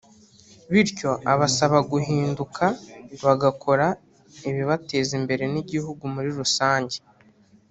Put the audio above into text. bityo abasaba guhinduka bagakora ibibateza imbere n’igihugu muri rusange